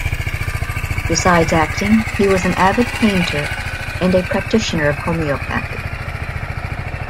Besides acting, he was an avid painter and a practitioner of homeopathy.